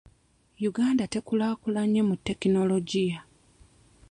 Uganda tekulaakulanye mu tekinologiya.